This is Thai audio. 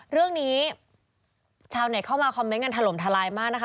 เรื่องนี้ชาวไหนเข้ามาคอมเม้นต์กันถล่มทะลายมาก